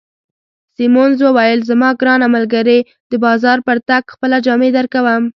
سیمونز وویل: زما ګرانه ملګرې، د بازار پر تګ خپله جامې درکوم.